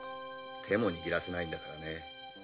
手も握らせないんだから。